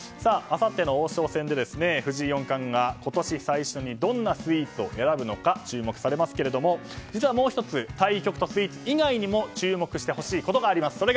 あさっての王将戦で、藤井四冠が今年最初にどんなスイーツを選ぶのか注目されますが実はもう１つ対局とスイーツ以外にも注目してほしいことがあります。